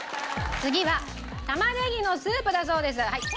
次は玉ねぎのスープだそうです。